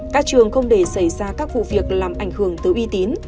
các trường không để xảy ra các vụ việc làm ảnh hưởng tới uy tín